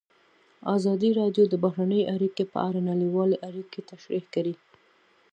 ازادي راډیو د بهرنۍ اړیکې په اړه نړیوالې اړیکې تشریح کړي.